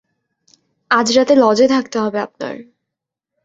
আজ রাতে লজে থাকতে হবে আপনার।